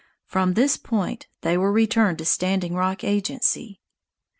From this point they were returned to Standing Rock agency.